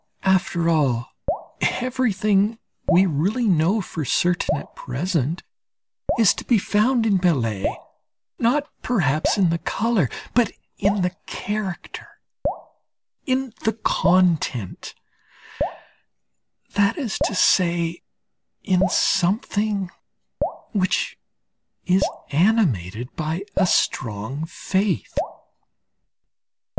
After all, everything we really know for certain, at present, is to be found in Millet, not perhaps in the colour, but in the character, in the content that is to say, in something which is animated by a strong faith....